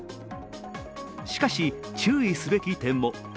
しかし、注意すべき点も。